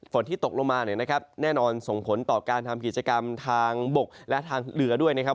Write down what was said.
ฝนที่ตกลงมาแน่นอนส่งผลต่อการทำกิจกรรมทางบกและทางเหลือด้วยนะครับ